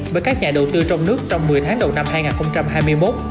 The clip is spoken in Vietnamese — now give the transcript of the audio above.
bởi các nhà đầu tư trong nước trong một mươi tháng đầu năm hai nghìn hai mươi một